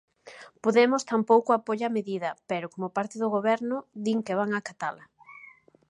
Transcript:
Podemos tampouco apoia a medida pero, como parte do goberno, din que van acatala.